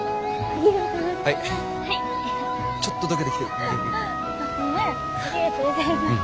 ありがとうございます。